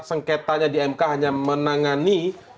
sengketanya di mk hanya menangani